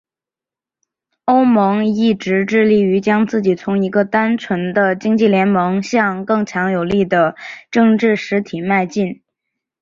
欧盟一直致力于将自己从一个单纯的经济联盟向更强有力的政治实体迈进。